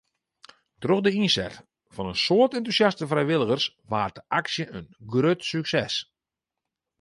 Troch de ynset fan in soad entûsjaste frijwilligers waard de aksje in grut sukses.